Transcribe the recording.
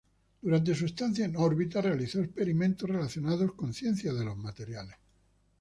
Durante su estancia en órbita, realizó experimentos relacionados con ciencia de los materiales.